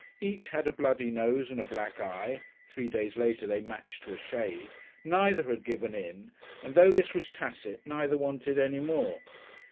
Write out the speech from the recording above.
Each had a bloody nose and a black eye three days later they matched to a shade neither had given in, and, though this was tacit, neither wanted any more.